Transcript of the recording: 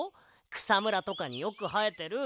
くさむらとかによくはえてる。